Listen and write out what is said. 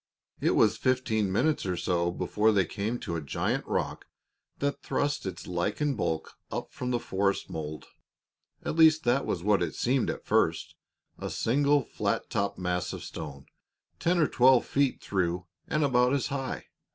It was fifteen minutes or so before they came to a giant rock that thrust its lichened bulk up from the forest mold. At least that was what it seemed at first a single, flat topped mass of stone, ten or twelve feet through and about as high.